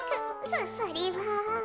そそれは。